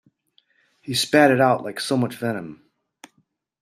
He spat it out like so much venom.